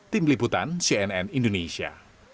tim liputan cnn indonesia